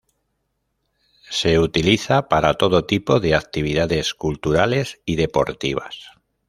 Se utiliza para todo tipo de actividades culturales y deportivas.